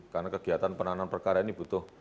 karena kegiatan penanganan perkara ini butuh